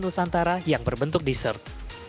terus antara yang berbentuk dessert